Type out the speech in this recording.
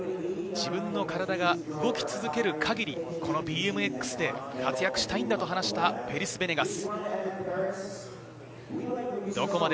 自分の体が動き続ける限り、ＢＭＸで活躍したいと話していたペリス・ベネガス。